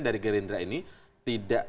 dari gerindra ini tidak